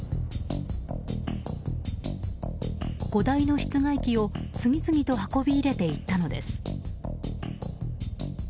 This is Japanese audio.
５台の室外機を次々と運び入れていったのです。